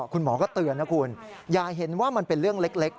คุณหมอก็เตือนนะคุณอย่าเห็นว่ามันเป็นเรื่องเล็ก